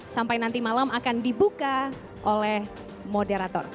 sampai nanti malam akan dibuka oleh moderator